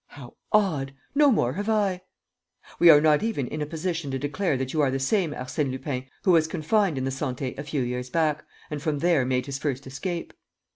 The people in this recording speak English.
"How odd! No more have I!" "We are not even in a position to declare that you are the same Arsène Lupin who was confined in the Santé a few years back, and from there made his first escape."